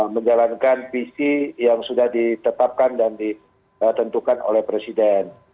menjalankan visi yang sudah ditetapkan dan ditentukan oleh presiden